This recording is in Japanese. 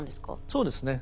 そうですね。